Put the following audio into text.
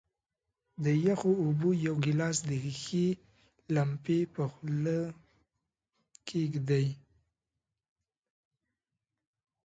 د یخو اوبو یو ګیلاس د ښيښې لمپې په خولې کیږدئ.